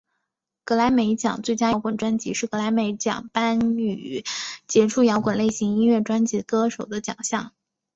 葛莱美奖最佳摇滚专辑是葛莱美奖颁予杰出摇滚类型音乐专辑的歌手的奖项。